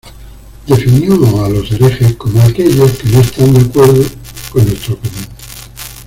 Definió a los herejes como "aquellos que no están de acuerdo con nuestra opinión".